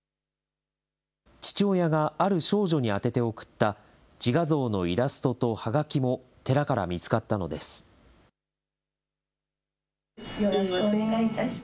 父親がある少女に宛てて送った自画像のイラストとはがきも寺からよろしくお願いいたします。